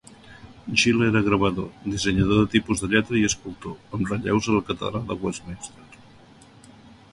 Gill era gravador, dissenyador de tipus de lletra i escultor, amb relleus a la catedral de Westminster.